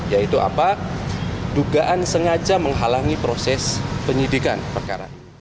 yaitu apa dugaan sengaja menghalangi proses penyidikan perkara